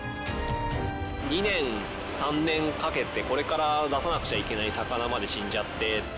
２年３年かけてこれから出さなくちゃいけない魚まで死んじゃって。